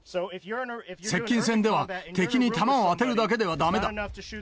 接近戦では敵に弾を当てるだけではだめだ。